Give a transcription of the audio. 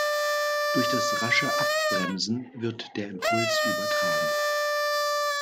Durch das rasche Abbremsen wird der Impuls übertragen.